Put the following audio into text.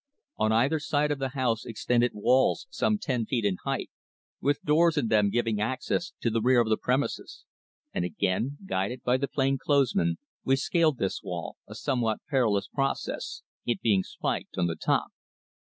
On either side of the house extended walls some ten feet in height, with doors in them giving access to the rear of the premises, and again, guided by the plain clothes man, we scaled this wall, a somewhat perilous process, it being spiked on the top.